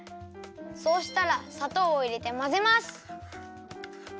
そうしたらさとうをいれてまぜます。